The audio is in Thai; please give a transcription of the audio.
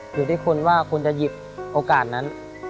อยู่ที่คุณว่าคุณจะหยิบโอกาสนั้น